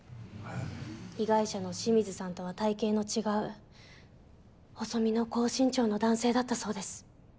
被害者の清水さんとは体型の違う細身の高身長の男性だったそうです。